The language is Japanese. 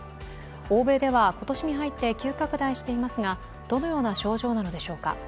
欧米では今年に入って急拡大していますが、どのような症状なのでしょうか。